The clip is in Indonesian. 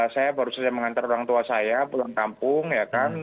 saya baru saja mengantar orang tua saya pulang kampung ya kan